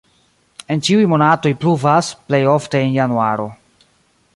En ĉiuj monatoj pluvas, plej ofte en januaro.